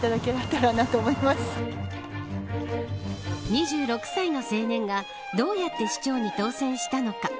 ２６歳の青年がどうやって市長に当選したのか。